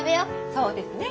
そうですね